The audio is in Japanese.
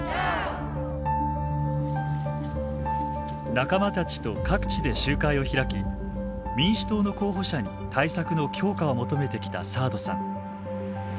仲間たちと各地で集会を開き民主党の候補者に対策の強化を求めてきたサードさん。